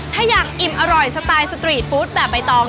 ถ้าอยากอิ่มอร่อยสไตล์สตรีทฟู้ดแบบใบตอง